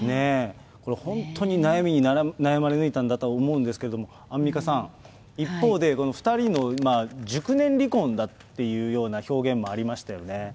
これ、本当に悩みに悩まれ抜いたと思うんですけども、アンミカさん、一方で、この２人の熟年離婚だっていうような表現もありましたよね。